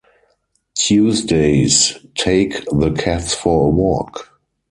Tuesdays, take the cats for a walk.